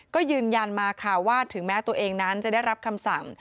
ก็ยืนยันมาค่ะว่าถึงแม้ตัวเองนั้นจะได้รับคำสั่ง